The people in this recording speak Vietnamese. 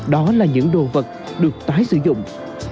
đó là những đồ vật được tái sử dụng